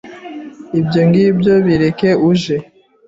ibyo ngibyo bireke uje